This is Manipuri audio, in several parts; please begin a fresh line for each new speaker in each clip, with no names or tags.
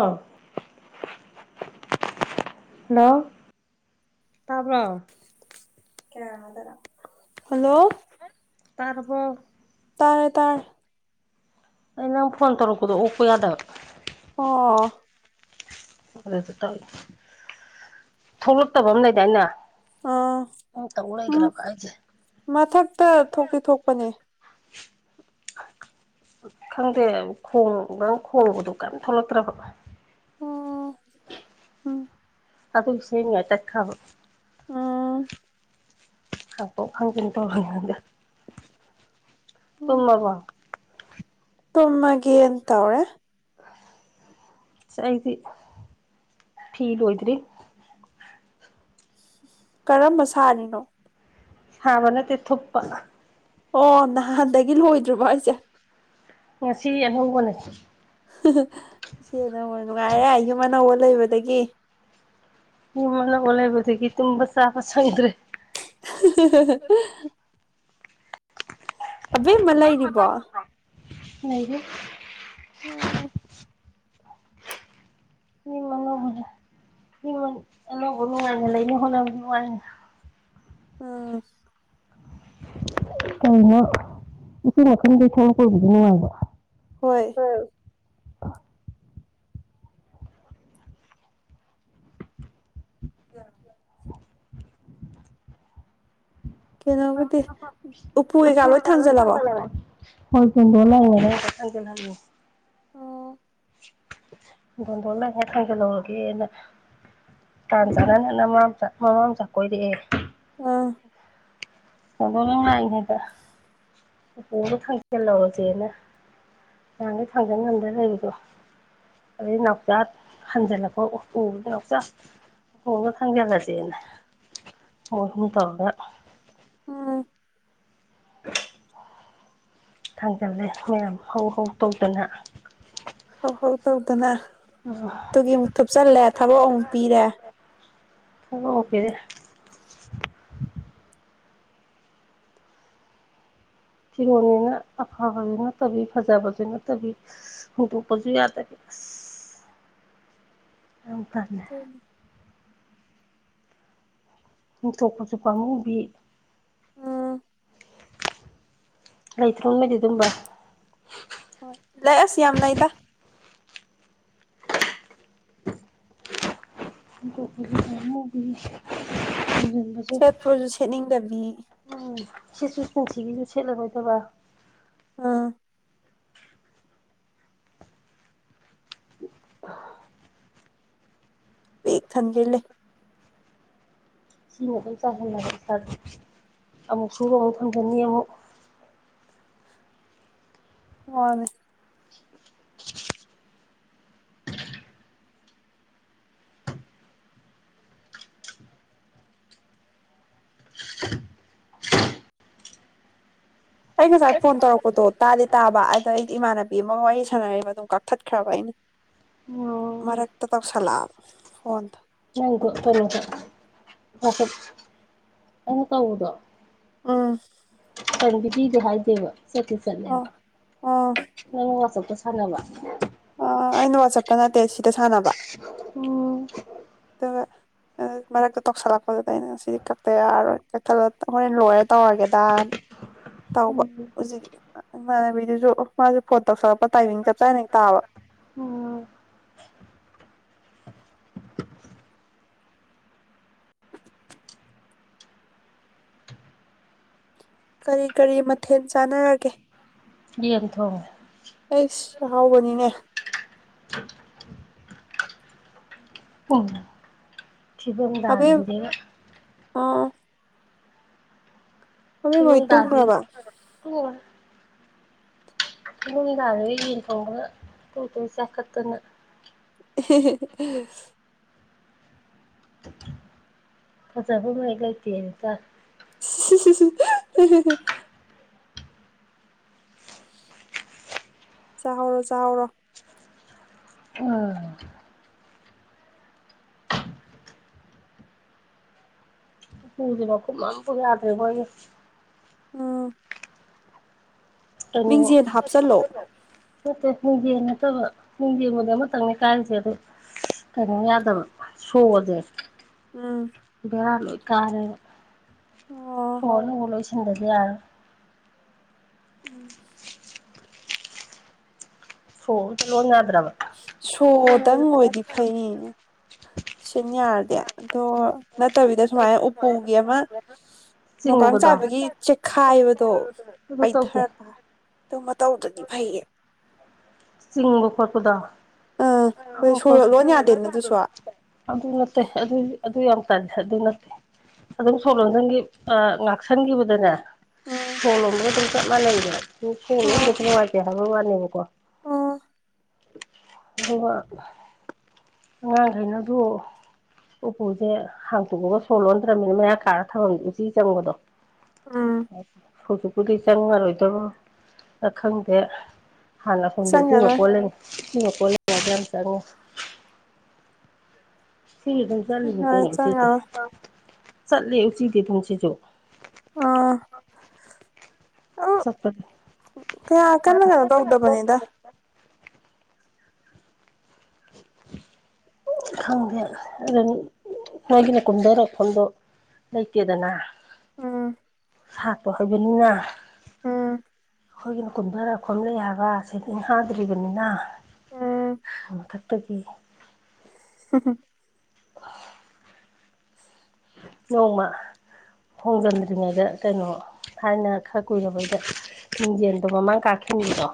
ꯑꯥ ꯍꯜꯂꯣ ꯇꯥꯕ꯭ꯔꯣ
[inaudible] ꯍꯜꯂꯣ
ꯇꯥꯔꯕꯣ
ꯇꯥꯔꯦ ꯇꯥꯔꯦ
ꯑꯩ ꯅꯪ ꯐꯣꯟ ꯇꯧꯔꯛꯄꯗꯣ ꯑꯣꯛꯄ ꯌꯥꯗꯕ
ꯑꯣ
ꯑꯗꯨꯗ ꯇꯧꯅꯤ ꯊꯣꯛꯂꯛꯇꯕ ꯑꯃ ꯂꯩꯗꯥꯏꯅꯦ
ꯑꯥ
ꯅꯪ ꯇꯧ
ꯎꯝ
ꯂꯩꯈ꯭ꯔꯕ ꯑꯩꯁꯦ
ꯃꯊꯛꯇ ꯊꯣꯛꯇꯤ ꯊꯣꯛꯄꯅꯦ
[inaudible] ꯈꯪꯗꯦ ꯈꯣꯡ ꯅꯪ ꯈꯣꯡꯕꯗꯣ ꯀꯩꯝ ꯊꯣꯛꯂꯛꯇ꯭ꯔꯕ
ꯑꯣ [inaudible]
ꯑꯗꯨꯛ ꯁꯦꯝꯃꯤꯉꯥꯏ ꯇꯠꯈ꯭ꯔꯕ
ꯎꯝ
ꯊꯥꯡꯇꯣꯛ ꯊꯥꯡꯖꯟ [unintelligible]
ꯎꯝ
ꯇꯨꯝꯃꯕꯣ
ꯇꯨꯝꯃꯒꯦꯅ ꯇꯧꯔꯦ
ꯑꯁ ꯑꯩꯗꯤ ꯐꯤ ꯂꯣꯏꯗ꯭ꯔꯤ
ꯀꯔꯝꯕ ꯁꯥꯔꯤꯅꯣ
ꯁꯥꯕ ꯅꯠꯇꯦ ꯊꯨꯞꯄ
ꯑꯣ ꯅꯍꯥꯟꯗꯒꯤ ꯂꯣꯏꯗ꯭ꯔꯤꯕ ꯍꯥꯢꯁꯦ
ꯉꯁꯤ ꯑꯅꯧꯕꯅꯦ
[inaudible] ꯏꯆꯦ ꯅ ꯅꯨꯡꯉꯥꯏꯔꯦ ꯌꯨꯝ ꯑꯅꯧꯕ ꯂꯩꯕꯗꯒꯤ
ꯌꯨꯝ ꯑꯅꯧꯕ ꯂꯩꯕꯗꯒꯤ ꯇꯨꯝꯕ ꯆꯥꯕ ꯁꯪꯗ꯭ꯔꯦ
[inaudible] ꯑꯕꯦꯝꯃ ꯂꯩꯔꯤꯕꯣ
ꯂꯩꯔꯤ
ꯑꯣ
[unintelligible] ꯌꯨꯝ ꯑꯅꯧꯕ ꯅꯨꯡꯉꯥꯏꯅ ꯂꯩꯅꯕ ꯍꯣꯠꯅꯕ ꯋꯥꯏꯅꯦ
ꯑꯥ
ꯀꯔꯤꯅꯣ ꯎꯆꯤ ꯃꯈꯨꯟꯗꯒꯤ ꯊꯣꯛ ꯂꯛꯄꯕꯨꯗꯤ ꯅꯨꯡꯉꯥꯏꯕ
ꯍꯣꯏ
[inaudible]
ꯀꯩꯅꯣꯕꯨꯗꯤ ꯎꯄꯨ ꯀꯩꯀꯥ ꯂꯣꯏ ꯊꯥꯡꯖꯜꯂꯕꯣ
ꯍꯣꯏ ꯄꯨꯡ [unintelligible]
ꯑꯣ
ꯗꯣꯟꯗꯣꯟꯂꯩ ꯉꯥꯏ ꯊꯥꯡꯖꯜꯍꯧꯔꯒꯦꯅ ꯇꯥꯟ
ꯎꯝ
ꯆꯥꯅꯅ ꯅꯃꯥꯝꯆꯥ ꯃꯃꯥꯝꯆꯥ ꯀꯣꯏꯔꯛꯑꯦ
ꯑ
ꯗꯣꯟꯗꯣꯟ ꯅ ꯉꯥꯏꯔꯤꯉꯩꯗ ꯎꯄꯨꯗꯣ ꯊꯥꯡꯖꯜꯍꯧꯔꯁꯦꯅ ꯌꯥꯝꯃꯦ ꯊꯥꯡꯖꯟ ꯉꯝꯗꯣꯏ ꯂꯩꯔꯤꯗꯣ ꯑꯗꯩ ꯅꯥꯎꯆꯥ ꯍꯟꯖꯜꯂꯛꯄ ꯎꯕꯗ ꯅꯥꯎꯆꯥ ꯍꯣꯡꯅ ꯊꯥꯡꯖꯤꯜꯂꯁꯦꯅꯦ ꯃꯣꯏ ꯍꯨꯝ ꯇꯧꯔꯒ
ꯎꯝ
[inaudible] ꯊꯥꯡꯖꯜꯂꯦ ꯃꯌꯥꯝ ꯍꯧ ꯍꯧ ꯇꯧꯗꯅ
ꯍꯧ ꯍꯧ ꯇꯧꯗꯅ
ꯊꯕꯛ
ꯇꯨꯒꯤ ꯑꯃꯨꯛ ꯊꯨꯞꯆꯜꯂꯦ ꯊꯕꯛ ꯑꯃꯨꯛ ꯄꯤꯔꯦ
ꯊꯕꯛꯃꯨꯛ ꯄꯤꯔꯦ ꯐꯤꯔꯣꯟꯅꯦꯅ ꯑꯐꯕꯁꯨ ꯅꯠꯇꯕꯤ ꯐꯖꯕꯁꯨ ꯅꯠꯇꯕꯤ ꯍꯨꯟꯗꯣꯛꯄꯁꯨ ꯌꯥꯗꯕꯤ ꯑꯁ ꯑꯩ ꯇꯜꯂꯦ ꯍꯨꯟꯊꯣꯛꯄꯁꯨ ꯄꯥꯝꯃꯨꯕꯤ
ꯎꯝ
ꯂꯩꯇꯣ ꯅꯣꯏꯗꯤ ꯑꯗꯨꯝꯕ
ꯍꯣꯏ ꯂꯩ ꯑꯁ ꯌꯥꯝ ꯂꯩꯇ
[unintelligible]
ꯁꯦꯠꯄꯨ꯭ꯔꯁꯨ ꯁꯦꯠꯅꯤꯡꯗꯕꯤ
ꯎꯝ ꯁꯦꯠꯁꯨ ꯅꯨꯡꯁꯤꯒꯤꯁꯨ ꯁꯦꯠꯂꯔꯣꯏꯗꯕ
ꯑꯥ
[inaudible] ꯑꯥꯥ
ꯄꯤꯛ ꯊꯟꯒꯩ ꯂꯩ
ꯁꯤꯃ ꯑꯗꯨꯝ ꯆꯥꯏꯁꯤꯜꯂꯒ ꯁꯥꯔ ꯑꯃꯨꯛꯁꯨ ꯔꯣ ꯊꯝꯒꯅꯤ ꯑꯃꯨꯛ
ꯋꯥꯅꯤ ꯑꯩ ꯉꯁꯥꯏ ꯐꯣꯟ ꯇꯧꯔꯛꯄꯗꯣ ꯇꯥꯗꯤ ꯇꯥꯕ ꯑꯗ ꯑꯩ ꯏꯃꯥꯟꯅꯕꯤ ꯑꯃꯒ ꯋꯥꯔꯤ ꯁꯥꯟꯅꯔꯤꯕ ꯑꯗꯨꯝ ꯀꯛꯊꯠꯈ꯭ꯔꯕ ꯑꯩꯅ
[inaudible]
ꯃꯔꯛꯇ ꯇꯧꯁꯜꯂꯛꯑꯕ ꯐꯣꯟꯗꯣ
ꯅꯪꯒꯤꯗꯣ ꯀꯩꯅꯣꯗ ꯋꯆꯞ ꯑꯩꯅ ꯇꯧꯕꯗꯣ
ꯑꯥ
ꯀꯔꯤꯒꯤꯄꯤꯗꯣ ꯍꯥꯏꯗꯦꯕ ꯆꯠꯠꯇꯤ
ꯑꯣ
ꯆꯠꯂꯦꯕ
ꯑꯣ
ꯅꯪ ꯋꯆꯞ ꯁꯥꯟꯅꯕ
ꯑꯥ ꯑꯩꯅ ꯋꯥꯆꯞꯇ ꯅꯠꯇꯦ ꯁꯤꯗ ꯁꯥꯟꯅꯕ
ꯎꯝ
[unintelligible] ꯃꯔꯛ ꯃꯔꯛꯇ ꯇꯧꯁꯜꯂꯛꯄꯗꯨꯗ ꯑꯩꯅ ꯃꯁꯤꯗꯤ ꯀꯛꯛꯇ ꯌꯥꯔꯣꯏ ꯀꯛꯊꯂ ꯍꯣꯔꯦꯟ ꯂꯣꯏꯔ ꯇꯧꯔꯒꯦꯗꯥꯃꯤꯑꯣꯏꯕꯗ
[inaudible]
ꯇꯧꯕ
ꯎꯝ
ꯍꯧꯖꯤꯛ ꯏꯃꯥꯟꯅꯕꯤꯗꯨꯁꯨ ꯃꯥꯁꯨ ꯐꯣꯟ ꯇꯧꯁꯜꯂꯛꯄ ꯇꯥꯏꯃꯤꯡ ꯆꯞ ꯆꯥꯅꯍꯦꯛ ꯇꯥꯕ
[inaudible]
ꯀꯔꯤ ꯀꯔꯤ ꯃꯊꯦꯜ ꯆꯥꯟꯅꯔꯒꯦ
ꯌꯦꯟ ꯊꯣꯡꯉꯦ
ꯑꯁ ꯑꯥꯍꯥꯎꯕꯅꯤꯅꯦ
ꯎꯝ
ꯑꯕꯦꯝ
ꯐꯤꯕꯝꯗꯥꯁꯤꯒ
ꯑꯣ ꯑꯕꯦꯝꯃꯍꯣꯏ ꯇꯨꯝꯒꯕ
ꯑꯣꯟ ꯏꯃꯨꯡꯒꯤ ꯅꯍꯟꯗꯩ ꯌꯦꯟ ꯊꯣꯡꯕꯗ ꯇꯣꯏꯅ ꯇꯣꯏꯅ ꯆꯥꯈꯠꯇꯅ
ꯑꯦꯍꯦ ꯍꯦꯍꯦ
ꯐꯖꯐꯝ ꯍꯦꯛ ꯂꯩꯇꯦꯍꯦ ꯇꯔꯦ
ꯍꯦ ꯍꯦ ꯍꯦ ꯍꯦ ꯍꯦ ꯆꯥꯍꯧꯔꯣ ꯆꯥꯍꯧꯔꯣ
ꯄꯨꯖꯦꯕꯧ ꯃꯈꯨꯝ ꯑꯝꯕꯣꯛ ꯌꯥꯗ꯭ꯔꯦ ꯑꯩꯈꯣꯏꯒꯤ
ꯎꯝ
ꯀꯅꯣ
ꯃꯤꯡꯖꯦꯜ ꯍꯥꯞꯆꯜꯂꯣ
ꯅꯠꯇꯦ ꯃꯤꯡꯖꯦꯜ ꯅꯠꯇꯕ ꯃꯤꯡꯖꯦꯝꯕꯨꯗꯤ ꯑꯃꯇꯪꯅꯦ ꯀꯥꯏꯔꯤꯁꯦ ꯑꯗꯣ ꯀꯩꯅꯣ ꯌꯥꯗꯕ ꯁꯣꯖꯦ
ꯎꯝ
ꯕꯦꯔꯥ ꯂꯣꯏ ꯀꯥꯔꯦꯕ
ꯑꯣ
ꯁꯣ ꯑꯅꯧꯕ ꯂꯣꯏ ꯁꯤꯟ ꯁꯤꯟꯗꯗꯤ ꯌꯥꯔꯣꯏ
ꯎꯝ
ꯁꯣ ꯑꯝꯇ ꯂꯣꯟ ꯌꯥꯗ꯭ꯔꯕ
ꯁꯣꯗꯪ ꯑꯣꯏꯗꯤ ꯐꯩꯅꯦ ꯁꯤꯟ ꯌꯥꯔꯗꯤ ꯑꯗꯣ ꯅꯠꯇꯕꯤꯗ ꯁꯨꯃꯥꯏꯅ ꯎꯄꯨꯒꯤ ꯑꯃ ꯅꯣꯡꯀꯥꯏ
ꯆꯤꯡꯕꯗꯣ
ꯆꯥꯕꯒꯤ ꯆꯦꯛꯈꯥꯏꯕꯗꯣ
ꯑꯗꯨ
ꯄꯩꯊ
ꯇꯧꯗꯦ
ꯑꯗꯨ ꯃꯇꯧꯗꯗꯤ ꯐꯩꯌꯦ
ꯆꯤꯡꯕ ꯈꯣꯠꯄꯗꯣ
ꯑꯥ ꯍꯣꯏ ꯁꯣꯔ ꯂꯣꯟ ꯌꯥꯗꯦꯅ ꯑꯗꯨꯁꯨ
[unintelligible] ꯑꯗꯨ ꯅꯠꯇꯦ ꯑꯗꯨ ꯑꯗꯨ ꯌꯥꯝ ꯇꯜ ꯑꯗꯨ ꯅꯠꯇꯦ ꯑꯗꯨꯝ ꯁꯣ ꯂꯣꯟꯖꯟꯒꯤ ꯉꯥꯛꯁꯟꯈꯤꯕꯗꯅꯦ
ꯎꯝ
ꯁꯣ ꯂꯣꯟꯕꯒ ꯗꯨꯝ ꯆꯞ ꯃꯥꯅꯩꯕ ꯁꯣ
ꯎꯝ
ꯂꯣꯟꯗꯕꯁꯦ ꯅꯨꯉꯥꯏꯇꯦ ꯍꯥꯏꯕ ꯋꯥꯅꯦꯕꯀꯣ
ꯎꯝ
ꯑꯗꯨꯒ ꯑꯉꯥꯡꯈꯩꯅ ꯑꯗꯨ ꯎꯄꯨꯁꯦ ꯍꯥꯡꯇꯣꯛꯑꯒ ꯁꯣ ꯂꯣꯟꯗ꯭ꯔꯝꯅꯤꯅ ꯃꯌꯥ ꯀꯔꯥ ꯊꯃꯝꯃꯤꯅ ꯎꯆꯤ ꯆꯪꯕꯗꯣ
ꯎꯝ
[unintelligible] ꯍꯧꯖꯤꯛꯄꯨꯗꯤ ꯆꯪꯉꯔꯣꯏꯗꯣ ꯑ ꯈꯪꯗꯦ ꯍꯥꯟꯅ ꯑꯁꯣꯟꯗ ꯎꯆꯤ
ꯆꯪꯉꯔꯣꯏ
ꯃꯀꯣꯜ ꯂꯩ ꯎꯆꯤ ꯃꯀꯣꯟ ꯂꯩꯔꯤꯉꯩꯗ ꯌꯥꯝ ꯆꯪꯉꯤ ꯁꯤꯁꯨ ꯑꯗꯨꯝ ꯆꯠꯂꯤꯅꯦ
ꯆꯪꯉꯔꯣꯏ
ꯀꯩꯅꯣ ꯎꯆꯤꯇꯤ
ꯆꯪꯉꯔꯣꯏ
ꯆꯠꯂꯦ ꯎꯆꯤꯗꯤ ꯑꯗꯨꯨꯝꯁꯤꯁꯨ
ꯑꯥ ꯑꯪ
ꯆꯠꯄꯅꯦ
ꯀꯌꯥ ꯀꯟꯅ ꯀꯩꯅꯣ ꯇꯧꯗꯕꯅꯤꯗ
[inaudible] ꯈꯪꯗꯦ ꯑꯗꯨ ꯅꯣꯏꯒꯤꯅ ꯀꯨꯝꯗꯔꯛꯄꯝꯗꯣ ꯂꯩꯇꯦꯗꯅ
ꯎꯝ
ꯇꯥꯠꯇꯣ ꯍꯩꯕꯅꯤꯅ
ꯎꯝ
ꯑꯈꯣꯏꯒꯤꯅ ꯀꯨꯟꯊꯔꯐꯝ ꯂꯩ ꯍꯥꯏꯕ ꯁꯦꯇꯤꯡ ꯍꯥꯄꯇ꯭ꯔꯤꯕꯅꯤꯅ
ꯎꯝ
ꯃꯊꯛꯇ ꯒꯤ
[inaudible]
ꯅꯣꯡꯃ ꯍꯣꯡꯖꯟꯗ꯭ꯔꯤꯉꯩꯗ ꯀꯩꯅꯣ ꯊꯥꯏꯅ ꯈꯔ ꯀꯨꯏꯔꯕꯩꯗ ꯃꯤꯡꯖꯦꯜꯗꯣ ꯃꯃꯥꯡ ꯀꯥ ꯈꯤꯟꯒꯤꯗꯣ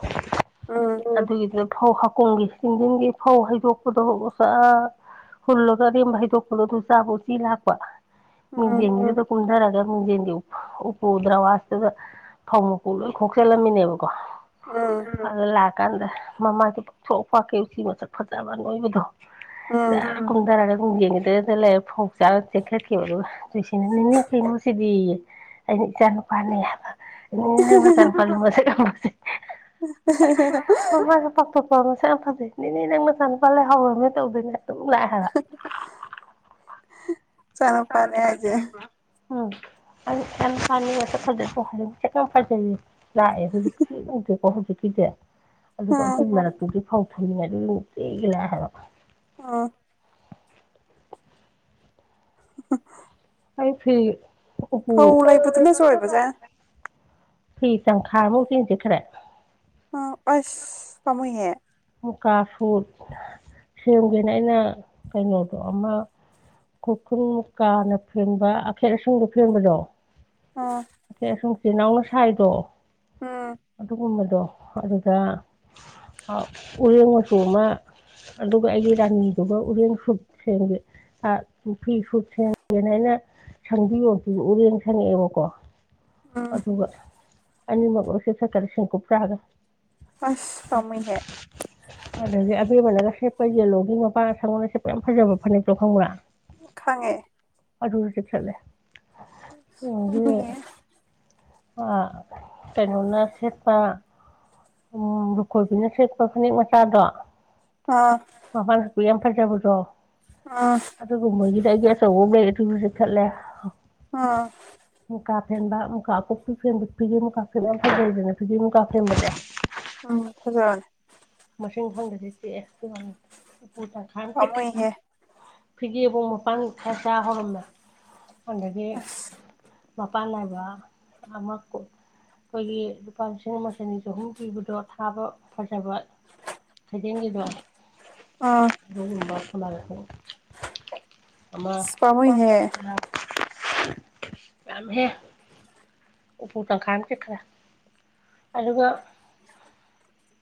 ꯎꯝ
ꯑꯗꯨꯒꯤꯗ ꯐꯧ ꯍ ꯀꯨꯝꯒꯤ ꯆꯤꯡꯖꯤꯟꯒꯤ ꯐꯧ ꯍꯩꯗꯣꯛꯄꯗꯣ ꯑꯣꯖꯥ ꯍꯨꯜꯂꯒ ꯑꯔꯦꯝꯕ ꯍꯥꯏꯗꯣꯛꯄꯒ ꯑꯗꯨ ꯆꯥꯕ ꯎꯆꯤ ꯂꯥꯛꯄ
ꯎꯝ
ꯃꯤꯡꯖꯦꯟꯁꯤꯗ ꯀꯨꯝꯗꯔꯒ ꯃꯤꯡꯖꯦꯟꯒꯤ ꯎꯄꯨ ꯗ꯭ꯔꯋꯥꯁꯇꯨꯗ ꯐꯧ ꯃꯀꯨ ꯂꯣꯏ ꯈꯣꯛꯆꯜꯂꯝꯃꯤꯅꯦꯕ ꯀꯣ
ꯎꯝ
ꯑꯗ ꯂꯥꯠ ꯇꯜꯂꯦ ꯃꯃꯥꯏꯗꯤ ꯄꯥꯛꯊꯣꯛ ꯄꯥꯛꯀꯩ ꯎꯆꯤ ꯃꯁꯛ ꯐꯖꯕ ꯑꯅꯣꯏꯕꯗꯣ ꯆ
ꯎꯝ
ꯀꯨꯝꯊꯔꯒ ꯒꯨꯝ ꯌꯦꯡꯈꯤꯗ꯭ꯔ ꯂꯩꯔꯦ ꯐꯧ ꯆꯔꯥ ꯆꯦꯟꯈꯠꯈꯤꯕ ꯑꯗꯨꯒ ꯂꯩꯁꯤꯅ ꯅꯦꯅꯦ ꯀꯩꯅꯣꯁꯤꯗꯤ ꯑꯩꯅ ꯏꯆꯥ ꯅꯨꯄꯥꯅꯦ ꯍꯥꯏꯕ ꯅꯦꯅꯦ ꯅꯪ ꯅꯆꯥ ꯅꯨꯄꯥꯖꯦ ꯃꯁꯛ ꯌꯥꯝ ꯐꯖꯩ [inaudible] ꯃꯃꯥꯢꯖꯦ ꯄꯥꯛꯊꯣꯛ ꯍꯣ ꯃꯁꯛ ꯌꯥꯝ ꯐꯖꯩ ꯅꯅꯦ ꯅꯪ ꯅꯆꯥꯅꯨꯄꯥ ꯂꯩꯍꯧꯔꯃꯦ ꯇꯧꯗꯣꯏꯅꯦ ꯑꯗꯨꯝ ꯂꯥꯛꯑꯦꯕ
ꯅꯆꯥ ꯅꯨꯄꯥꯅꯦ ꯍꯥꯏꯖꯦ
ꯎꯝ ꯏꯆꯥ ꯅꯨꯄꯥꯅꯦ ꯍꯥꯏꯅꯦ ꯌꯥꯝ ꯊꯤ ꯐꯖꯩꯀꯣ ꯍꯥꯏ ꯆꯦꯆꯧ ꯐꯖꯩ ꯂꯥꯛꯑꯦ ꯑꯗꯨꯗꯨꯒ ꯁꯤ ꯎꯗ꯭ꯔꯤꯕꯣ ꯍꯧꯖꯤꯛꯀꯤꯁꯦ ꯑꯗꯨꯒ
ꯎꯝ
ꯑꯗꯨꯒꯤ ꯃꯔꯛꯇꯨꯗꯤ ꯐꯧ ꯊꯝꯅꯤꯡꯉꯥꯏꯗ ꯅꯨꯡꯇꯤꯒꯤ ꯂꯥꯛꯑꯦ ꯍꯥꯏꯕ
ꯑꯥ [inaudible]
ꯑꯩ ꯐꯤ ꯎꯄꯨ
ꯐꯧ ꯂꯩꯕꯗꯨꯅꯁꯨ ꯑꯣꯢꯕꯖ
ꯐꯤ ꯇꯪꯈꯥꯢ ꯃꯨꯛꯇꯤ ꯎꯆꯤ ꯆꯤꯛꯈ꯭ꯔꯦ
ꯑ ꯑꯁ ꯄꯥꯃꯨꯏꯍꯦ
ꯃꯨꯀꯥ ꯁꯨꯠ ꯁꯦꯝꯒꯦꯅ ꯑꯩꯅ ꯀꯩꯅꯣꯗꯣ ꯑꯃ ꯈꯨꯔꯈꯨꯜ ꯃꯨꯀꯥꯅ ꯐꯦꯟꯕ ꯑꯈꯦꯠ ꯑꯁꯨꯡꯕ ꯐꯦꯟꯕꯗꯣ
ꯑꯥ
ꯏꯅꯥꯎꯅ ꯁꯥꯏꯗꯣ ꯑꯗꯨꯒꯨꯝꯕꯗꯣ ꯑꯗꯨꯗ ꯑꯥ ꯎꯔꯦꯡ ꯃꯆꯨ ꯑꯃ ꯑꯗꯨꯒ ꯑꯩꯒꯤ ꯔꯥꯅꯤꯗꯨꯒ ꯎꯔꯦꯡ ꯁꯨꯠ ꯁꯦꯝꯒꯦ ꯑꯥ ꯐꯤ ꯁꯨꯠ ꯁꯦꯝꯒꯦꯅ ꯑꯩꯅ ꯁꯪꯕꯤꯌꯣ ꯄꯤ ꯎꯔꯦꯟ ꯁꯪꯉꯛꯑꯦꯕꯀꯣ
ꯎꯝ
ꯑꯗꯨꯒ ꯑꯅꯤꯃꯛꯂꯣꯢ ꯁꯦꯠ ꯁꯦꯠꯇ ꯂꯤꯁꯤꯡ ꯀꯨꯟꯊ꯭ꯔꯥꯒ
ꯐꯁ ꯄꯥꯝꯃꯨꯢꯍꯦ
ꯑꯗꯒꯤ ꯑꯕꯦꯝꯕꯅꯒ ꯁꯦꯠꯄ ꯌꯦꯂꯣꯒꯤ ꯃꯄꯥꯟ ꯁꯪꯕꯒ ꯁꯦꯠꯄ ꯌꯥꯝ ꯐꯖꯕ ꯐꯅꯦꯛꯇꯣ ꯈꯪꯕ꯭ꯔꯥ
ꯈꯪꯉꯦ
ꯑꯗꯨꯗ ꯆꯤꯛꯊꯠꯂꯦ ꯎꯒꯤ ꯂꯣꯏꯔꯦ
ꯄꯥꯝꯃꯨꯏꯍꯦ
ꯑꯥ ꯀꯩꯅꯣꯅ ꯁꯦꯠꯄ ꯎꯝ ꯂꯨꯈꯣꯏꯕꯤꯅ ꯁꯦꯠꯄ ꯐꯅꯦꯛ ꯃꯆꯥꯗꯣ
ꯑꯥ
ꯃꯄꯥꯟ ꯈꯍꯛꯄꯤ ꯌꯥꯝ ꯐꯖꯕꯗꯣ
ꯑꯥ
ꯑꯗꯨꯒꯨꯝꯕꯒꯤ ꯀꯦꯒꯦ ꯑꯆꯧꯕ ꯑꯃ ꯂꯩꯔꯦ ꯁꯤꯁꯨ ꯆꯤꯛꯊꯠꯂꯦ
ꯑꯥ
ꯃꯨꯀꯥ ꯐꯦꯟꯕ ꯃꯨꯀꯥ ꯑ ꯀꯨꯞꯄꯤ ꯐꯦꯟꯕ ꯐꯤꯒꯦ ꯃꯀꯥ ꯐꯦꯟ ꯌꯥꯝ ꯐꯖꯩꯗꯅꯦ ꯐꯤꯒꯦ ꯃꯨꯀꯥ ꯐꯦꯟꯕꯁꯦ
ꯎꯝ ꯐꯖꯅꯦ
ꯃꯁꯤꯡ ꯈꯡꯗꯒꯤ ꯆꯤꯛꯑꯦ ꯎꯄꯨ ꯇꯡꯈꯥꯏ ꯑꯃ ꯆꯤꯛꯈ꯭ꯔꯦ
ꯄꯥꯝꯃꯨꯏꯍꯦ
ꯐꯤꯒꯦꯕꯨ ꯍ ꯃꯄꯥꯟ ꯈꯔ ꯆꯥ ꯍꯧꯔꯝꯃꯦ ꯑꯗꯒꯤ
ꯑꯁ
ꯃꯄꯥꯟ ꯅꯥꯏꯕ ꯑꯃ ꯀꯣꯛ ꯑꯩꯈꯣꯏꯒꯤ ꯂꯨꯄꯥ ꯂꯤꯁꯤꯡ ꯑꯃ ꯆꯅꯤ ꯆꯍꯨꯝ ꯄꯤꯕꯗꯣ ꯊꯥꯕ ꯐꯖꯕ ꯈꯩꯗꯦꯜꯒꯤꯗꯣ
ꯑꯥ
ꯊꯝꯕꯥꯜꯂꯩꯈꯣꯛ ꯑꯃ
ꯑꯁ ꯄꯥꯝꯃꯨꯏꯍꯦ
ꯑꯥ ꯌꯝꯃꯦ ꯍꯦ ꯎꯄꯨ ꯇꯪꯈꯥꯏ ꯑꯃ ꯆꯤꯛꯈ꯭ꯔꯦ ꯑꯗꯨꯒ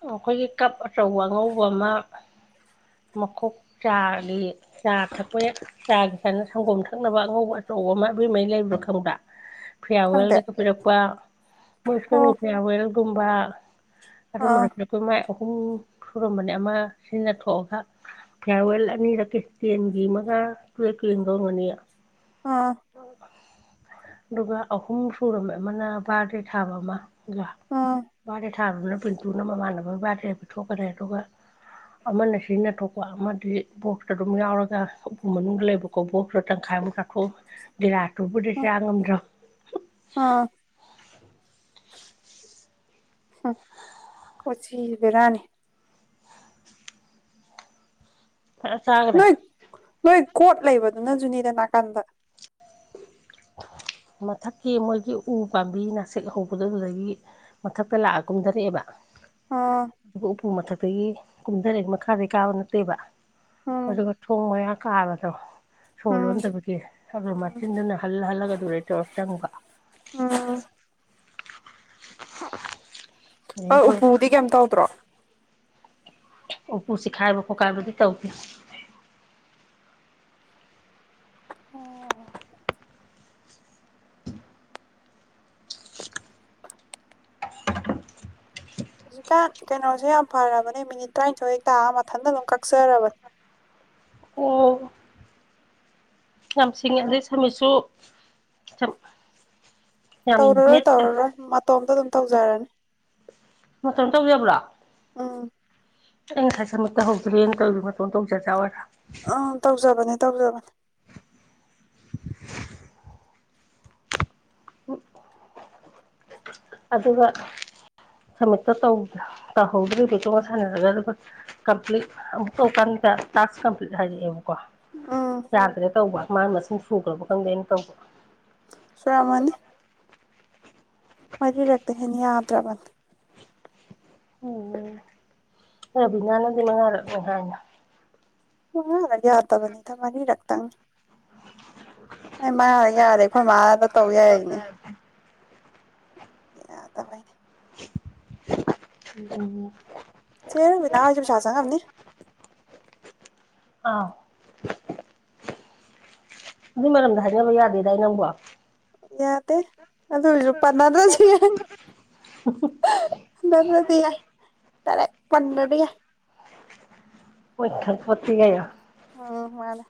ꯑꯩꯈꯣꯏꯒꯤ ꯀꯞ ꯑꯆꯧꯕ ꯑꯉꯧꯕ ꯑꯃ ꯃꯈꯣꯛ ꯆꯥꯒꯤ ꯆꯥ ꯊꯛꯄ ꯆꯥ ꯁꯪꯒꯣꯝ ꯊꯛꯅꯕ ꯑꯉꯧꯕ ꯑꯆꯧ ꯑꯆꯧꯕ ꯑꯃ ꯑꯕꯦꯝꯃꯒꯤ ꯂꯩꯕꯗꯣ ꯈꯪꯕ꯭ꯔ ꯐꯤꯌꯥ꯭ꯔ
ꯈꯪꯗꯦ
ꯋꯦꯜꯗꯒ ꯄꯤꯔꯛꯄ ꯃꯣꯏ ꯏꯁꯇ꯭ꯔꯟ
ꯑꯣ
ꯐꯌ꯭ꯔꯋꯦꯟꯒꯨꯝꯕ
ꯑꯥ
ꯑꯗꯨꯒꯨꯝꯕꯗ ꯄꯤꯔꯛꯄ ꯃꯥꯏ ꯑꯍꯨꯝ ꯁꯨꯔꯝꯕꯅꯤ ꯑꯃ ꯁꯤꯖꯟꯅ ꯊꯣꯛꯑꯒ ꯐꯤꯌꯥ꯭ꯔꯋꯦꯜ ꯑꯅꯤꯔꯛꯀꯤ ꯇꯦꯟꯒꯤ ꯃ ꯑꯥ ꯁꯤ ꯀꯦꯟꯕ ꯑꯣꯏꯒꯅꯤꯌꯦ
ꯑꯥ
ꯑꯗꯨꯒ ꯑꯍꯨꯝ ꯁꯨꯔꯝꯃꯦ ꯑꯃꯅ ꯕ꯭ꯔꯥꯗꯦ ꯊꯥꯕ ꯑꯃ
ꯑꯥ
ꯕ꯭ꯔꯥꯗꯦ ꯊꯥꯕꯅꯦ ꯄꯤꯟꯇꯨꯅ ꯃꯃꯥꯟꯅꯕꯒꯤ ꯕꯔ꯭ꯥꯗꯦ ꯁꯦ ꯄꯤꯊꯣꯛꯀ꯭ꯔꯦ ꯑꯗꯨꯒ ꯑꯃꯅ ꯁꯤꯖꯤꯟꯅ ꯊꯣꯛꯣꯛꯄ ꯑꯃꯗꯤ ꯕꯣꯛꯁꯇ ꯑꯗꯨꯝ ꯌꯥꯎꯔꯒ ꯎꯄꯨ ꯃꯅꯨꯡꯗ ꯂꯩꯕ ꯀꯧꯕꯣꯁꯇꯣ ꯇꯪꯈꯥꯏ ꯃꯨꯛ ꯆꯥꯊꯣꯛ ꯇꯤꯂꯥꯁꯇꯨꯕꯨꯗꯤ ꯆꯥ ꯉꯝꯗ꯭ꯔꯕ
ꯑꯥ ꯍꯨꯝ ꯀꯣꯆꯤ ꯕꯦꯔꯥꯅꯦ
ꯐꯖ ꯆꯥꯒꯔꯦ
ꯅꯣꯏ ꯅꯣꯏ ꯀꯣꯠ ꯂꯩꯕꯗꯨꯅ ꯖꯨꯅꯤꯗ ꯅꯥꯀꯥꯟꯗ
[inaudible] ꯃꯊꯛꯀꯤ ꯃꯣꯏꯒꯤ ꯎ ꯄꯥꯝꯕꯤ ꯅꯥꯁꯤꯛ ꯍꯧꯕꯗꯣ ꯑꯗꯨꯗꯒꯤ ꯃꯊꯛꯇ ꯂꯥꯛꯑ ꯀꯨꯝꯗꯔꯛꯑꯦꯕ
ꯑꯥ
ꯑꯗꯨꯒ ꯎꯄꯨ ꯃꯊꯛꯇꯒꯤ ꯀꯨꯟꯊꯔꯦ ꯃꯈꯥꯗꯩ ꯀꯥꯕ ꯅꯠꯇꯦꯕ
ꯎꯝ
ꯑꯗꯨꯒ ꯊꯣꯡ ꯃꯌꯥ ꯀꯥꯕꯗꯣ ꯁꯣ꯭ꯔ
ꯎꯝ
ꯂꯣꯟꯗꯕꯒꯤ ꯑꯗꯨ ꯃꯆꯤꯟꯗꯨꯅ ꯍꯜ ꯍꯜꯂꯒ ꯑꯗꯨꯒꯤ ꯇꯧꯔ ꯆꯪꯕ
ꯎꯝ
[inaudible]
ꯑꯥ ꯎꯄꯨꯗꯤ ꯀꯩꯝ ꯇꯧꯗ꯭ꯔꯣ
ꯎꯞꯄꯨ ꯆꯤꯈꯥꯏꯕ ꯈꯣꯠꯀꯥꯏꯕꯗꯤ ꯇꯧꯗꯦ
ꯑꯣ ꯍꯧꯖꯤꯛꯀꯥꯟ ꯀꯩꯅꯣꯁꯦ ꯌꯥꯝ ꯐꯔꯕꯅꯦ ꯃꯤꯅꯤꯠ ꯇꯔꯥꯅꯤꯊꯣꯏ ꯍꯦꯛ ꯇꯥꯔ ꯃꯊꯟꯇ ꯑꯗꯨꯝ ꯀꯛꯆꯔꯕꯅꯦ
ꯑꯣ ꯌꯥꯝ ꯁꯤꯡꯉꯤ
ꯑꯥ
ꯑꯗꯩ ꯁꯝꯃꯤꯠꯁꯤ ꯁꯝ
ꯇꯧꯔꯔꯣꯏ ꯇꯧꯔꯔꯣꯏ ꯃꯇꯣꯝꯇ ꯑꯗꯨꯝ ꯇꯧꯖꯔꯅꯤ
ꯃꯇꯝ ꯇꯧꯖꯕ꯭ꯔꯣ
ꯎꯝ
ꯑꯩꯩ ꯉꯁꯥꯏ ꯁꯃꯤꯠ ꯇꯧꯍꯧꯗ꯭ꯔꯦꯅ ꯇꯧꯔꯤꯖꯦ ꯃꯇꯣꯟ ꯇꯧꯖꯥ ꯖꯥ ꯑꯣꯏꯔꯦ
ꯑꯥ ꯇꯧꯖꯕꯅꯦ ꯇꯧꯖꯕꯅꯦ
ꯎ ꯑꯗꯨꯒ ꯁꯃꯤꯠꯇꯣ ꯇꯧꯍꯧꯗ꯭ꯔꯤ ꯏꯕꯦꯇꯣꯟꯒ ꯁꯥꯟꯅꯔꯒ ꯑꯗꯨꯒ ꯀꯝꯄ꯭ꯂꯤꯠ ꯑꯃꯨꯛ ꯇꯧꯀꯥꯟꯗ ꯇꯥꯛꯁ ꯀꯝꯄ꯭ꯂꯤꯠ ꯍꯥꯏꯔꯛꯑꯦꯕꯀꯣ
ꯎꯝ
ꯌꯥꯗ꯭ꯔꯦ ꯇꯧꯕ ꯃꯥꯅ ꯃꯁꯤꯡ ꯁꯨꯈ꯭ꯔꯕ ꯈꯪꯗꯦ ꯑꯩꯅ ꯇꯧꯕ
ꯁꯨꯔꯝꯃꯅꯤ ꯃꯔꯤ ꯔꯛꯇꯒꯤ ꯍꯦꯟꯅ ꯌꯥꯗ꯭ꯔꯥꯕꯅꯦ
ꯎꯝ ꯔꯕꯤꯅꯥꯅꯗꯤ ꯃꯉꯥꯔꯛꯅꯦ ꯍꯥꯏꯅ
ꯃꯪꯉꯥꯔꯛ ꯌꯥꯗꯕꯅꯤꯗ ꯃꯔꯤꯔꯛꯇꯪꯅꯤ ꯑꯩ ꯃꯥ ꯌꯥꯔꯦ ꯑꯩꯈꯣꯏ ꯃꯥꯗ ꯇꯧ ꯌꯥꯏꯅꯦ ꯌꯥꯗꯕꯩꯅꯦ
[unintelligible]
ꯁꯦꯔꯕꯤꯅꯥꯍꯣꯏꯁꯨ ꯄꯩꯁꯥ ꯆꯪꯉꯝꯅꯤ
ꯑꯥ ꯑꯗꯨꯏ ꯃꯔꯝꯗ ꯍꯥꯏꯅꯕ ꯌꯥꯗꯦꯗꯥꯏ ꯅꯪꯕꯨ
ꯌꯥꯗꯦ ꯑꯗꯨ ꯑꯣꯏꯁꯨ ꯄꯥꯟꯅꯗ꯭ꯔꯁꯨ ꯌꯥꯏ ꯅꯪꯅꯗꯤ ꯌꯥꯏ ꯗꯥꯏꯔꯦꯛ ꯄꯟꯗ꯭ꯔꯗꯤ ꯌꯥꯏ
ꯃꯣꯏ ꯈꯪꯄꯣꯠꯇꯦ ꯀꯩꯅꯣ
ꯎꯝ ꯃꯥꯅꯦ